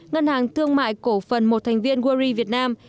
ngân hàng thương mại cổ phần một thành viên ury việt nam